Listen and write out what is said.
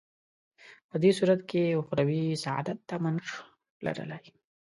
په دې صورت کې اخروي سعادت تمه نه شو لرلای.